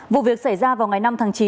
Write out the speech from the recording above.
vụ việc xảy ra vào ngày năm tháng chín